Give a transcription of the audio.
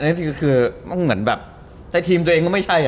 นี่คือเหมือนแบบในทีมตัวเองก็ไม่ใช่